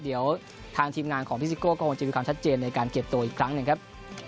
เดี๋ยวทางทีมงานของพี่ซิโก้ก็คงจะมีความชัดเจนในการเก็บตัวอีกครั้งหนึ่งครับ